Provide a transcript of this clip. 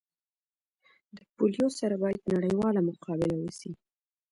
د پولیو سره باید نړیواله مقابله وسي